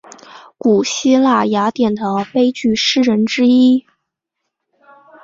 古希腊雅典的悲剧诗人之一。